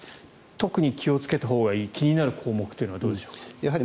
特に気をつけたほうがいい気になる項目はどうでしょうか。